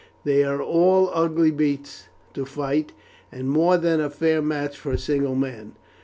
They are all ugly beasts to fight, and more than a fair match for a single man.